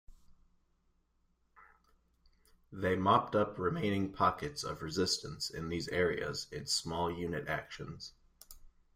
They mopped up remaining pockets of resistance in these areas in small unit actions.